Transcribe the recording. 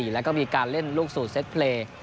แล้วก็มีการเล่นลูกสู่เซ็ตเพลย์